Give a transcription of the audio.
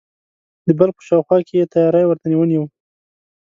د بلخ په شاوخوا کې یې تیاری ورته ونیوی.